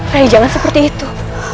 rai jangan seperti itu